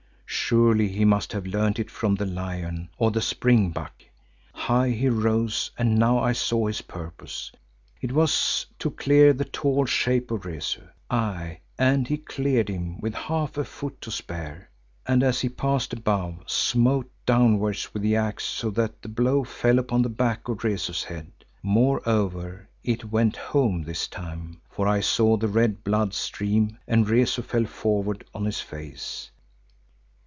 Surely he must have learnt it from the lion, or the spring buck. High he rose and now I saw his purpose; it was to clear the tall shape of Rezu. Aye, and he cleared him with half a foot to spare, and as he passed above, smote downwards with the axe so that the blow fell upon the back of Rezu's head. Moreover it went home this time, for I saw the red blood stream and Rezu fell forward on his face.